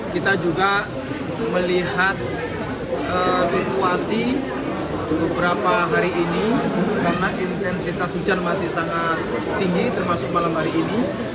kita juga melihat situasi beberapa hari ini karena intensitas hujan masih sangat tinggi termasuk malam hari ini